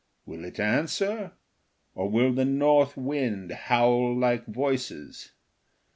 Will it answer or will the North wind howl like voices?